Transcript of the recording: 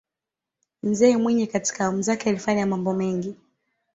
mzee mwinyi katika awamu zake alifanya mambo mengi